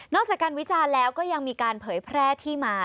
จากการวิจารณ์แล้วก็ยังมีการเผยแพร่ที่มา